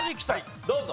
どうぞ。